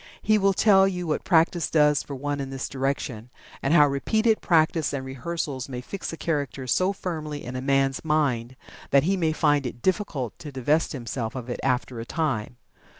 He will tell you what practice does for one in this direction, and how repeated practice and rehearsals may fix a character so firmly in a man's mind that he may find it difficult to divest himself of it after a time.